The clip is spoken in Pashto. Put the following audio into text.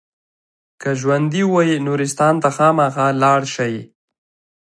که ژوندي وي نورستان ته خامخا لاړ شئ.